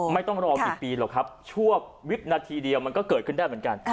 ไม่ต้องรอกี่ปีหรอกครับชั่ววินาทีเดียวมันก็เกิดขึ้นได้เหมือนกัน